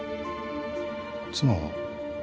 妻は？